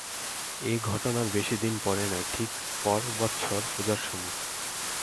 এই ঘটনার বেশী দিন পরে নয়, ঠিক পর বৎসর পূজার সময়।